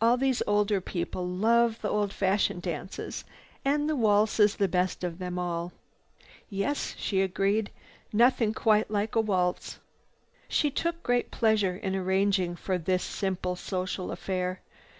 "All these older people love the old fashioned dances and the waltz is the best of them all." "Yes," she agreed, "there's nothing quite like a waltz." She took great pleasure in arranging for this simple social affair.